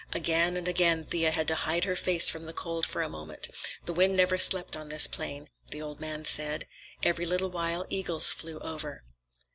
Again and again Thea had to hide her face from the cold for a moment. The wind never slept on this plain, the old man said. Every little while eagles flew over.